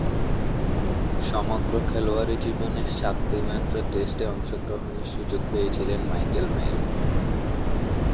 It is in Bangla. সমগ্র খেলোয়াড়ী জীবনে সাতটিমাত্র টেস্টে অংশগ্রহণের সুযোগ পেয়েছিলেন মাইকেল মেল।